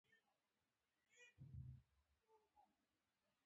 وضعیت په بې رحمۍ تحمیل شوی.